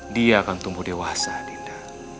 dia akan tumbuh dewasa tidak